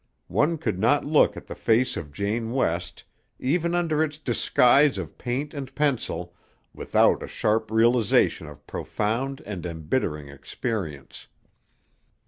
One could not look at the face of Jane West, even under its disguise of paint and pencil, without a sharp realization of profound and embittering experience.